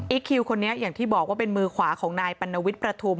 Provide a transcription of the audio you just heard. คิวคนนี้อย่างที่บอกว่าเป็นมือขวาของนายปัณวิทย์ประทุม